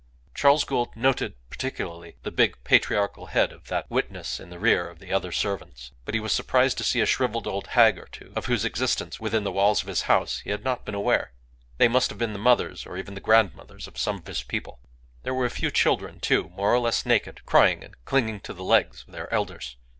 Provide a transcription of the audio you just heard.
Charles Gould noted particularly the big patriarchal head of that witness in the rear of the other servants. But he was surprised to see a shrivelled old hag or two, of whose existence within the walls of his house he had not been aware. They must have been the mothers, or even the grandmothers of some of his people. There were a few children, too, more or less naked, crying and clinging to the legs of their elders.